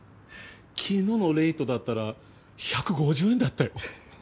昨日のレートだったら１５０円だったよ。